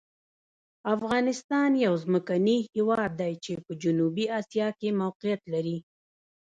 افغانستان یو ځمکني هېواد دی چې په جنوبي آسیا کې موقعیت لري.